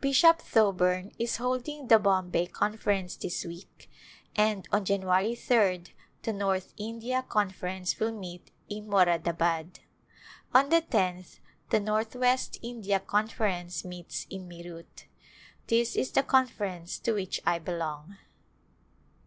Bishop Thoburn is holding the Bombay Conference this week and on January 3d the North India Con ference will meet in Moradabad. On the tenth the Northwest India Conference meets in Meerut. This is the Conference to which I belong.